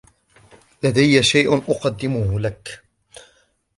لدي شيء أقدمه لك.